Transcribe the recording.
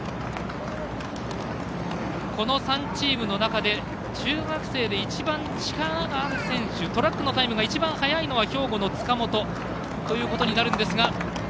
この３チームの中で中学生で一番力がある選手トラックのタイムが一番速いのは兵庫の塚本ということになるんですが。